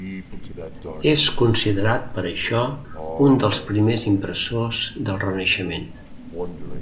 És considerat per això un dels primers impressors del Renaixement.